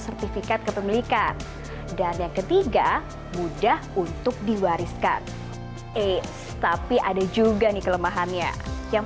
sertifikat kepemilikan dan yang ketiga mudah untuk diwariskan eh tapi ada juga nih kelemahannya yang